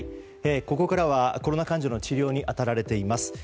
ここからはコロナ患者の治療に当たられています